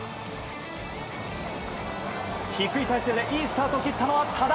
低い体勢でいいスタートを切ったのは多田。